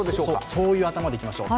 そういう頭でいきましょう。